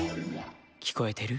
「きこえてる？